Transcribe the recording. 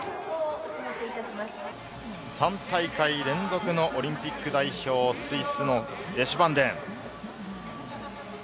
３大会連続のオリンピック代表、スイスのデシュヴァンデン。